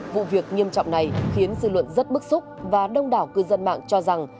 vụ việc nghiêm trọng này khiến dư luận rất bức xúc và đông đảo cư dân mạng cho rằng